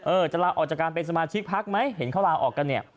เออจะลาออกจากการเป็นสมาชิกภักดิ์ไหมเห็นเขาลาออกกัน